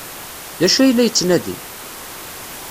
D acu ay la yettnadi?